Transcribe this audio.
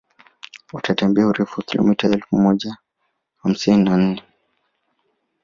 Utatembea urefu wa kilomita elfu moja hamsini na nne